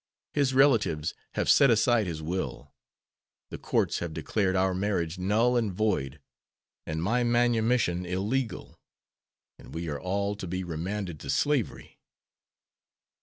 His relatives have set aside his will. The courts have declared our marriage null and void and my manumission illegal, and we are all to be remanded to slavery."